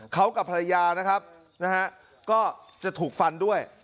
เขากับภรรยานะครับนะฮะก็จะถูกฟันด้วย